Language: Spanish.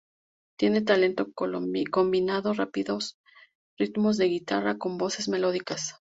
Tiene talento combinando rápidos ritmos de guitarra con voces melódicas.